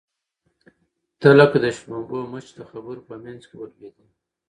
ته لکه د شړومبو مچ د خبرو په منځ کې ولوېدې.